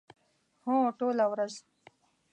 هو، ټوله ورځ